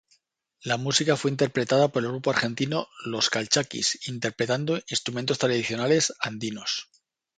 La música fue interpretada por el grupo argentino Los Calchakis, interpretando instrumentos tradicionales andinos.